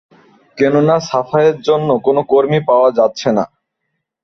কেন না সাফাইয়ের জন্য কোনো কর্মী পাওয়া যাচ্ছে না।